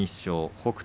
北勝